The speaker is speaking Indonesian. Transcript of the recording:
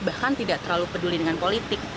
bahkan tidak terlalu peduli dengan politik